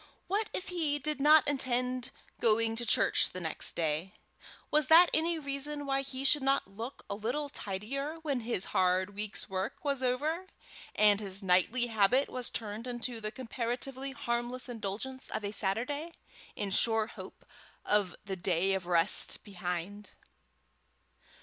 What if he did not intend going to church the next day? Was that any reason why he should not look a little tidier when his hard week's work was over, and his nightly habit was turned into the comparatively harmless indulgence of a Saturday, in sure hope of the day of rest behind.